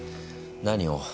何を？